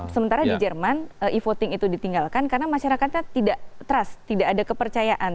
sementara di jerman e voting itu ditinggalkan karena masyarakatnya tidak trust tidak ada kepercayaan